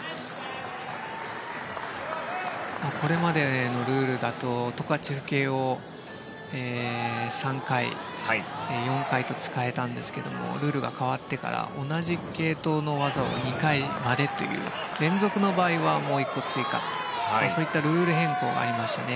これまでのルールだとトカチェフ系を３回、４回と使えたんですけどもルールが変わってから同じ系統の技を２回までという連続の場合はもう１個追加とそういったルール変更がありましたね。